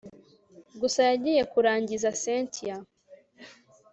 gusa yagiye kurangiza cyntia